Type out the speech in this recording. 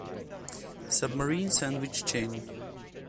Submarine sandwich chain.